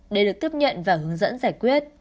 để được tiếp nhận và hướng dẫn giải quyết